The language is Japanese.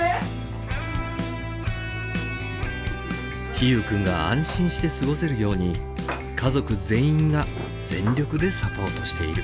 陽友君が安心して過ごせるように家族全員が全力でサポートしている。